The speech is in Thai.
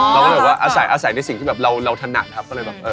อ๋อคือบอกว่าอาศัยนี่สิ่งที่เราถนัดครับ